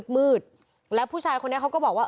มืดแล้วผู้ชายคนนี้เขาก็บอกว่า